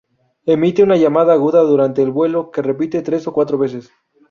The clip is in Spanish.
Emite una llamada aguda, durante el vuelo, que repite tres o cuatro veces.